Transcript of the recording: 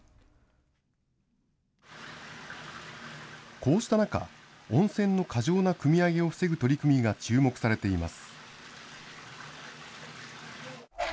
こうした中、温泉の過剰なくみ上げを防ぐ取り組みが注目されています。